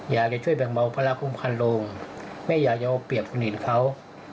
อยากจะช่วยแบ่งเบาภาระคุมคันโรงแม่อยากจะเอาเปรียบคนอื่นเขา